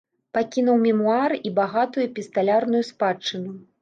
Пакінуў мемуары і багатую эпісталярную спадчыну.